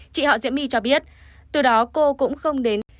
chị họ diễm my cho biết từ đó cô cũng không đến